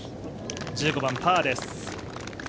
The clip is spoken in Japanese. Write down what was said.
１５番パーです。